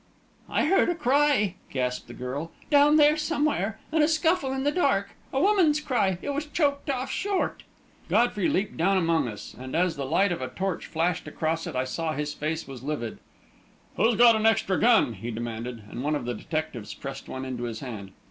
"I heard a cry," gasped the girl. "Down here somewhere. And a scuffle in the dark. A woman's cry. It was choked off short." Godfrey leaped down among us, and, as the light of a torch flashed across it, I saw that his face was livid. "Who's got an extra gun?" he demanded, and one of the detectives pressed one into his hand.